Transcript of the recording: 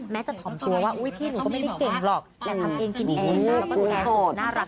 จะถ่อมตัวว่าอุ๊ยพี่หนูก็ไม่ได้เก่งหรอกแต่ทำเองกินเองน่ากลัวน่ารัก